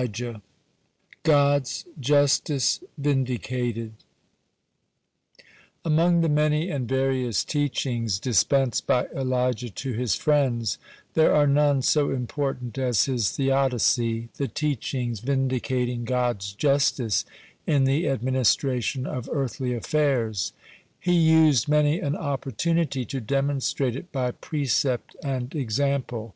(93) GOD'S JUSTICE VINDICATED Among the many and various teachings dispensed by Elijah to his friends, there are none so important as his theodicy, the teachings vindicating God's justice in the administration of earthly affairs. He used many an opportunity to demonstrate it by precept and example.